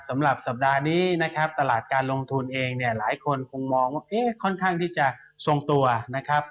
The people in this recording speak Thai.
สำหรับสัปดาห์นี้นะครับตลาดการลงทุนเองเนี่ยหลายคนคงมองว่าเอ๊ะค่อนข้างที่จะทรงตัวนะครับ